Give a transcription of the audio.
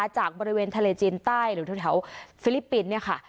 จากบริเวณทะเลจีนใต้หรือแถวฟิลิปปินส์